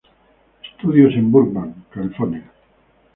Studios en Burbank, California.